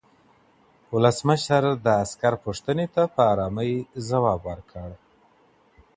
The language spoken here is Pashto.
ولسمشر د عسکر پوښتنې ته په ارامۍ ځواب ورکړ.